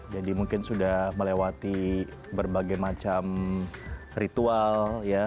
jadi mungkin sudah melewati berbagai macam ritual ya